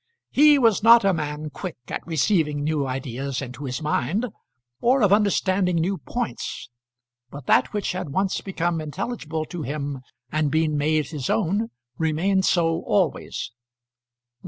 He was not a man quick at receiving new ideas into his mind, or of understanding new points; but that which had once become intelligible to him and been made his own, remained so always.